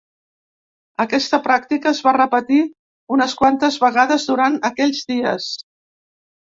Aquesta pràctica es va repetir unes quantes vegades durant aquells dies.